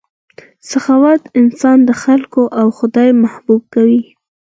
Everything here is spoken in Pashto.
سخاوت انسان د خلکو او خدای محبوب کوي.